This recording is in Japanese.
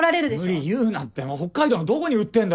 無理言うなって北海道のどこに売ってんだよ。